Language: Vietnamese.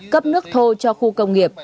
cấp nước thô cho khu công nghiệp